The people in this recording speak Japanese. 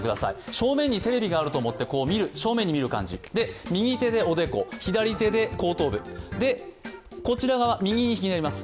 正面にテレビがあると思ってこう正面に見る感じ、右手でおでこ、左手で後頭部、こちら側、右にひねります。